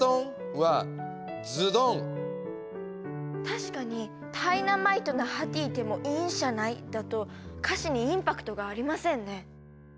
確かに「タイナマイトなハティてもいいんしゃない」だと歌詞にインパクトがありませんね。